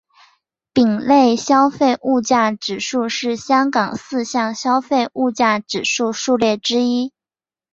丙类消费物价指数是香港四项消费物价指数数列之一。